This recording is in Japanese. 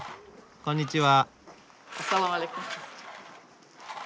こんにちは！